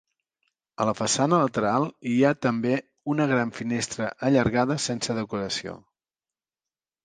A la façana lateral hi ha també una gran finestra allargada sense decoració.